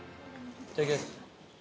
いただきます。